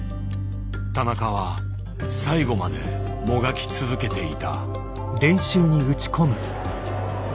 田中は最後までもがき続けていた。